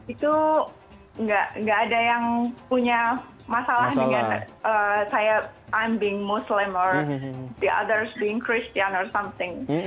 itu gak ada yang punya masalah dengan saya menjadi muslim atau orang lain menjadi kristian atau sesuatu